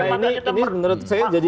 ini menurut saya jadi